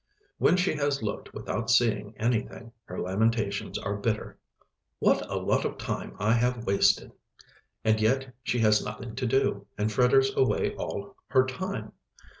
When she has looked without seeing anything, her lamentations are bitter: "What a lot of time I have wasted!" And yet she has nothing to do, and fritters away all her time!